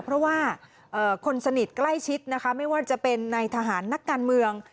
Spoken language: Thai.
เพราะว่าคนสนิทใกล้ชิดนะคะไม่ว่าจะเป็นในทหารนักการเมือง